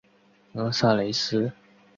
冈萨雷斯。